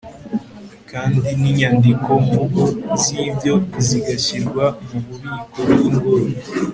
kandi n'inyandiko mvugo z'ibyo zigashyirwa mu bubiko bw'ingoro